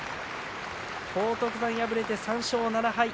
荒篤山、敗れて３勝７敗